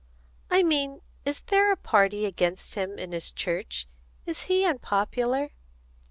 "I mean, is there a party against him in his church? Is he unpopular?"